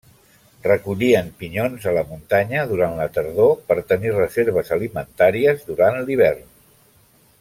Recollien pinyons a la muntanya durant la tardor per tenir reserves alimentàries durant l'hivern.